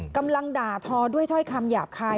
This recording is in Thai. กำลังด่าทอด้วยถ้อยคำหยาบคาย